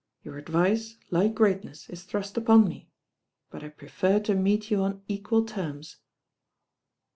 Your advice, like greatness, is thrust upon me; but I prefer to meet you on equal terms."